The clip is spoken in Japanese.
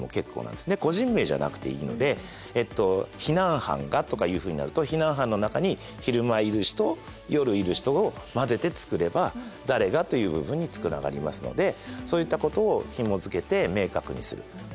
個人名じゃなくていいので「避難班が」とかいうふうになると避難班の中に昼間いる人夜いる人を交ぜて作れば「誰が」という部分につながりますのでそういったことをひもづけて明確にする。